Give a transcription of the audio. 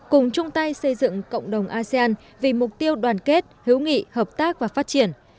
cùng chung tay xây dựng cộng đồng asean vì mục tiêu đoàn kết hữu nghị hợp tác và phát triển